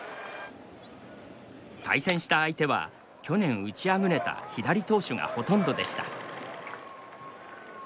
対戦した相手は去年打ちあぐねた左投手がほとんどでした。